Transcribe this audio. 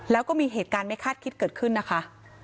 แล้วก็มีเหตุการณ์ไม่คาดคิดเกิดขึ้นนะคะ